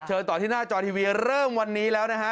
ต่อที่หน้าจอทีวีเริ่มวันนี้แล้วนะฮะ